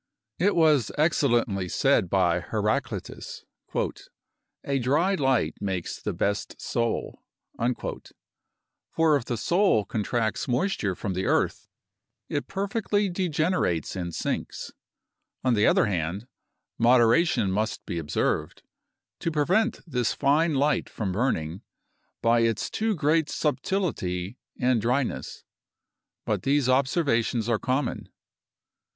It was excellently said by Heraclitus: "A dry light makes the best soul;" for if the soul contracts moisture from the earth, it perfectly degenerates and sinks. On the other hand, moderation must be observed, to prevent this fine light from burning, by its too great subtility and dryness. But these observations are common.